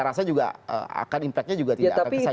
rasanya juga akan impactnya juga tidak akan kesayangan